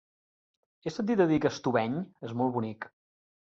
He sentit a dir que Estubeny és molt bonic.